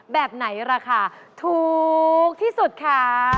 แบบไหนราคาถูกที่สุดคะ